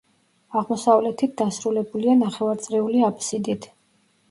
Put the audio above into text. აღმოსავლეთით დასრულებულია ნახევარწრიული აბსიდით.